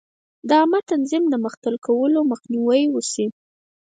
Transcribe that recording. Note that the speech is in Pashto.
د عامه نظم د مختل کولو مخنیوی وشي.